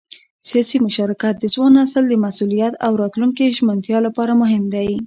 سیاسي مشارکت د ځوان نسل د مسؤلیت او راتلونکي ژمنتیا لپاره مهم دی